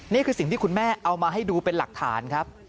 นี่คือสิ่งที่คุณแม่เอามาให้ดูเป็นหลักฐานครับ